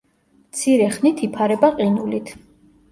მცირე ხნით იფარება ყინულით.